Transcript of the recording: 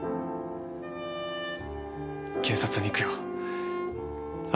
警察に行くよ明日。